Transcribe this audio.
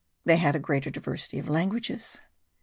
They had a great diversity of languages.